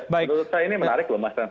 menurut saya ini menarik loh mas ren